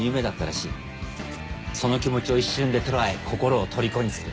その気持ちを一瞬で捉え心をとりこにする。